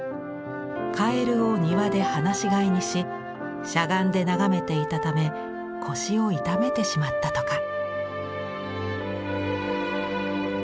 蛙を庭で放し飼いにししゃがんで眺めていたため腰を痛めてしまったとか。